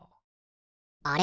あれ？